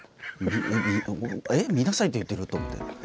見なさいって言ってる？」と思って。